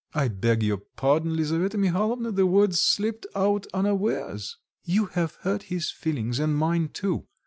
"I beg your pardon, Lisaveta Mihalovna, the words slipped out unawares." "You have hurt his feelings and mine too.